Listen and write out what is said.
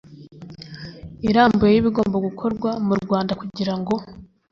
irambuye y'ibigomba gukorwa mu rwanda kugira ngo